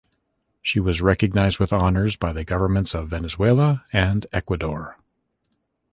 She was recognized with honours by the governments of Venezuela and Ecuador.